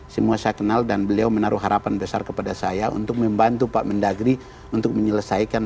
semua saya kenal dan beliau menaruh harapan besar kepada saya untuk membantu pak mendagri untuk menyelesaikan